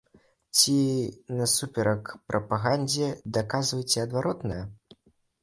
Ці насуперак прапагандзе, даказвайце адваротнае.